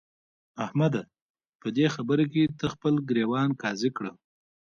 احمده! په دې خبره کې ته خپل ګرېوان قاضي کړه.